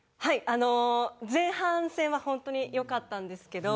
あの前半戦は本当に良かったんですけど。